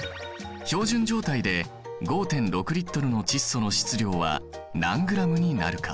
標準状態で５．６Ｌの窒素の質量は何ｇになるか？